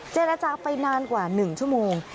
เจ้าหน้าทางไปนานกว่า๑ชั่วโมง